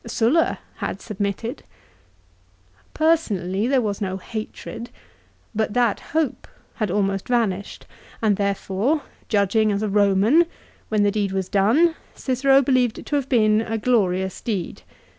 Sulla had submitted. Personally there was no hatred, but that hope had almost vanished and therefore, judging as a Eoman, when the deed was done, Cicero believed it to have been a glorious deed.